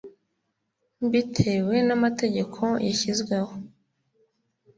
mbitewe n amategeko yashyzweho